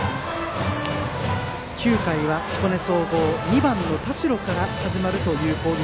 ９回は彦根総合２番、田代から始まる攻撃。